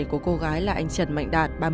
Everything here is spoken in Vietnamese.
của cô gái là anh trần mạnh đạt